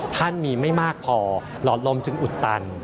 ท่านมีไม่มากพอหลอดลมจึงอุดตัน